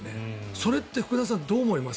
それって福田さん、どう思います？